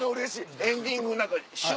エンディング。